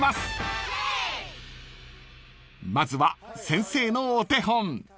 ［まずは先生のお手本］